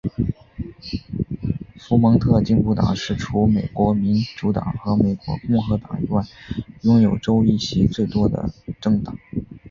佛蒙特进步党是除美国民主党和美国共和党以外拥有州议席最多的政党。